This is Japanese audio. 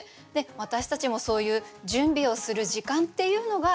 私たちもそういう準備をする時間っていうのが。